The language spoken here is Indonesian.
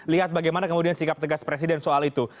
lihat bagaimana kemudian sikap tegas presiden soal itu